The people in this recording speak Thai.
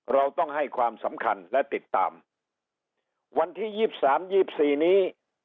เราต้องให้ความสำคัญและติดตามวันที่ยี่สามยี่สิบสี่นี้